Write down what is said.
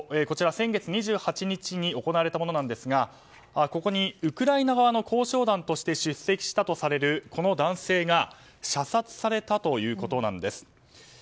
こちら、先月２８日に行われたものですがここにウクライナ側の交渉団として出席したとされるこの男性が射殺されたということなんです。